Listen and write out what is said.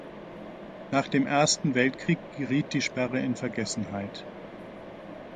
Nach dem Ersten Weltkrieg geriet die Sperre in Vergessenheit.